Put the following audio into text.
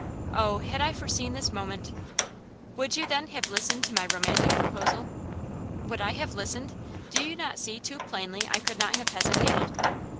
Oh had I foreseen this moment " "Would you, then, have listened to my romantic proposal?" "Would I have listened? do you not see too plainly I could not have hesitated!"